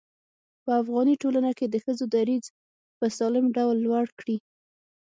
په افغاني ټولنه کې د ښځو دريځ په سالم ډول لوړ کړي.